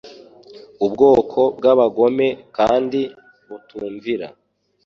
ubwoko bw'abagome kandi butumvira;